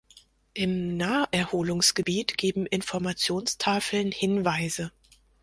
Im Naherholungsgebiet geben Informationstafeln Hinweise.